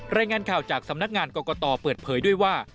รายงานข่าวจากสำนักงานกรกตเปิดเผยด้วยว่า